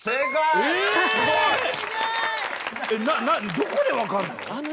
どこで分かるの？